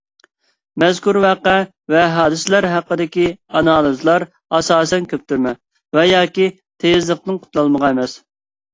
مەزكۇر ۋەقە ۋە ھادىسىلەر ھەققىدىكى ئانالىزلار ئاساسەن كۆپتۈرمە ۋە ياكى تېيىزلىقتىن قۇتۇلالىغان ئەمەس.